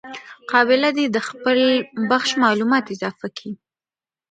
قابله دي د خپل بخش معلومات اضافه کي.